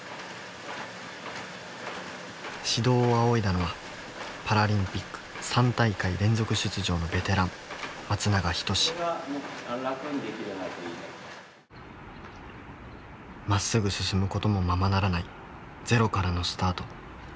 指導を仰いだのはパラリンピック３大会連続出場のベテランまっすぐ進むこともままならないゼロからのスタート。